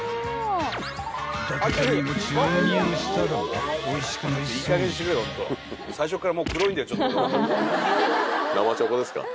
［伊達ちゃんにも注入したらばおいしくなりそう］